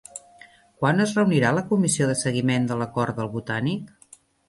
Quan es reunirà la comissió de seguiment de l'Acord del Botànic?